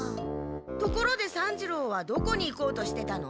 ところで三治郎はどこに行こうとしてたの？